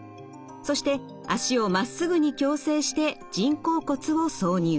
そして脚をまっすぐに矯正して人工骨を挿入。